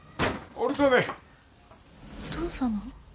お義父様？